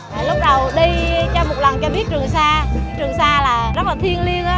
trường sa rất là thiêng liêng